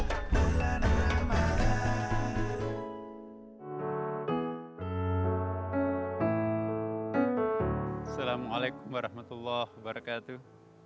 assalamualaikum warahmatullahi wabarakatuh